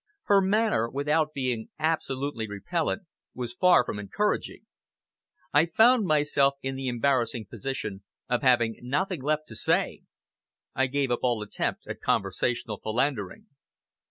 Her manner, without being absolutely repellent, was far from encouraging. I found myself in the embarrassing position of having nothing left to say. I gave up all attempt at conversational philandering.